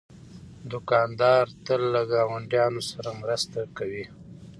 دوکاندار تل له ګاونډیانو سره مرسته کوي.